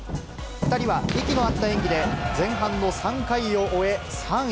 ２人は息の合った演技で、前半の３回を終え、３位。